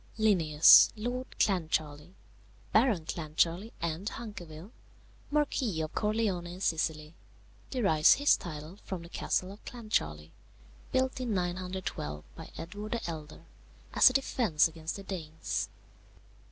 "Linnæus, Lord Clancharlie, Baron Clancharlie and Hunkerville, Marquis of Corleone in Sicily, derives his title from the castle of Clancharlie, built in 912 by Edward the Elder, as a defence against the Danes.